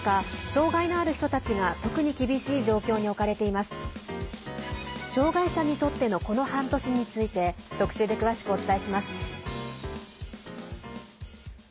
障害者にとってのこの半年について特集で詳しくお伝えします。